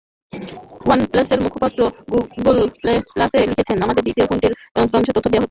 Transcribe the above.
One প্লাসের মুখপাত্র Google প্লাসে লিখেছেন, আমাদের দ্বিতীয় ফোনটির যন্ত্রাংশের তথ্য দেওয়া হচ্ছে।